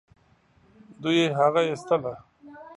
دوی هغه ايستله.